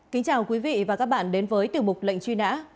kính chào quý vị và các bạn đến với tiểu mục lệnh truy nã